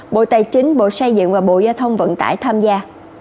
bộ tài chính bộ xây dựng và bộ giao thông vận tải tham gia